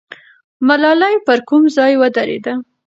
ملالۍ پر کوم ځای ودرېده؟